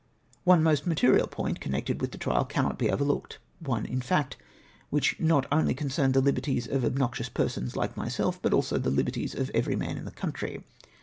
One most material point connected with the trial cannot be overlooked ; one, in foct, which not only concerned the liberties of obnoxious persons hke my self, but also the hberties of every man in the country.